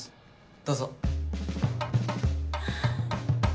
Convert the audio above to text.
どうぞ。